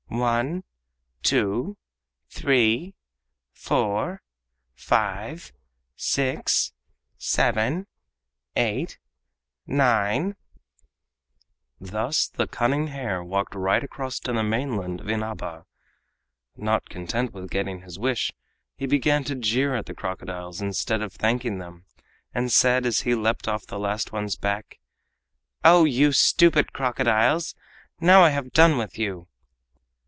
One, two, three, four, five, six, seven, eight, nine—" Thus the cunning hare walked right across to the mainland of Inaba. Not content with getting his wish, he began to jeer at the crocodiles instead of thanking them, and said, as he leapt off the last one's back: "Oh! you stupid crocodiles, now I have done with you!"